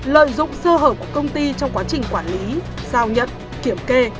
lợi dụng sơ hở của công ty trong quá trình quản lý giao nhận kiểm kê